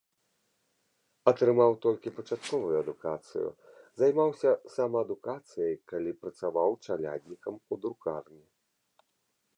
Атрымаў толькі пачатковую адукацыю, займаўся самаадукацыяй, калі працаваў чаляднікам у друкарні.